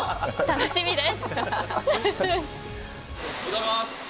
楽しみです。